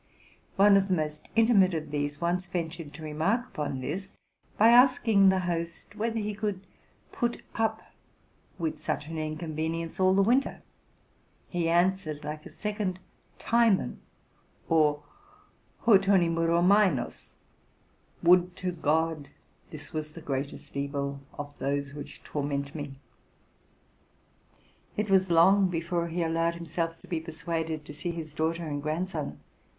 One of the most intimate of these once ventured to remark upon this, by asking the host whether he could put up with such an inconvenience all the winter. He answered, like a second Timon or Heautontimoroumenos, * Would to God this was the greatest evil of those which tor ment me!'' It was long before he allowed himself to be persuaded to see his daughter and grandson.